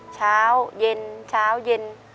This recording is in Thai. เช้าเย็นเช้าเย็น